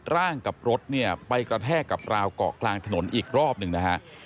กับรถเนี่ยไปกระแทกกับราวเกาะกลางถนนอีกรอบหนึ่งนะฮะ